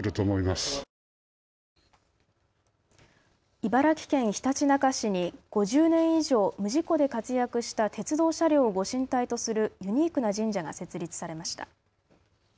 茨城県ひたちなか市に５０年以上無事故で活躍した鉄道車両をご神体とするユニークな神社が設立されました。